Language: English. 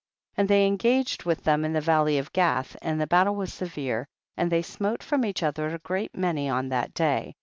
1 1 . And they engaged with them in the valley of Gath, and the battle was severe, and they smote from each other a great many on that day.